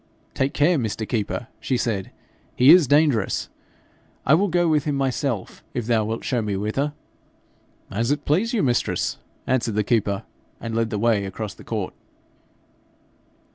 'Take care, Mr. Keeper,' she said, 'he is dangerous. I will go with him myself, if thou wilt show me whither.' 'As it please you, mistress,' answered the keeper, and led the way across the court.